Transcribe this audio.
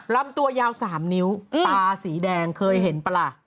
ลำตัวยาว๓นิ้วตาสีแดงเคยเห็นป่ะล่ะ